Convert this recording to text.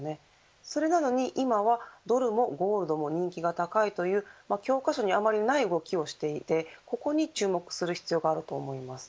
それなのに、今はドルもゴールドも人気が高いという教科書にあまりない動きをしていて、ここに注目する必要があると思います。